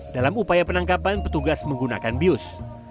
dalam upaya penangkapan petugas menggunakan bius